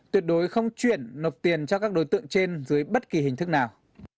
tuyệt đối không chuyển nộp tiền cho các đối tượng trên dưới bất kỳ hình thức nào